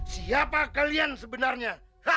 siapa kalian sebenarnya